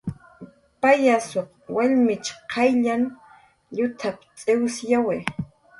"Payasuq wallmich qayllanh llutap"" cx'iwsyawi"